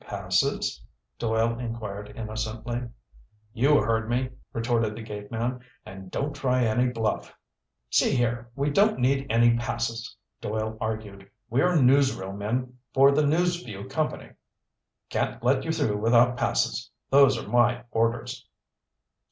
"Passes?" Doyle inquired innocently. "You heard me," retorted the gateman. "And don't try any bluff." "See here, we don't need any passes," Doyle argued. "We're newsreel men for the News Vue Company." "Can't let you through without passes. Those are my orders."